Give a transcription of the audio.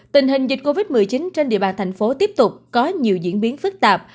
tình hình dịch covid một mươi chín trên địa bàn thành phố tiếp tục có nhiều diễn biến phức tạp